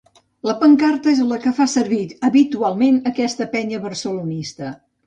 La pancarta és la que fa servir habitualment aquesta penya barcelonista.